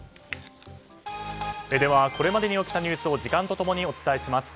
では、これまでに起きたニュースを時間とともにお伝えします。